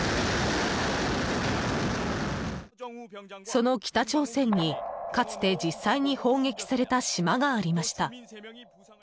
その北朝鮮に、かつて実際に砲撃された島がありました。